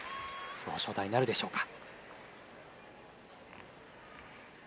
表彰台なるでしょうか。